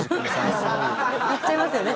言っちゃいますよね